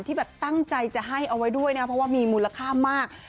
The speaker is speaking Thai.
ที่แบบตั้งใจจะให้เอาไว้ด้วยนะเพราะว่ามีมูลค่ามาก